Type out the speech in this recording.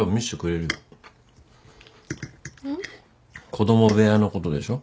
子供部屋のことでしょ？